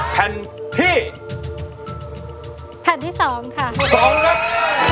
อ๋อแผ่นที่แผ่นที่สองค่ะสองครับ